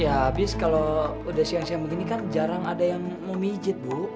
ya abis kalo udah siang siang begini kan jarang ada yang mau mijit bu